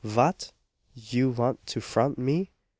vat? you want to 'front me!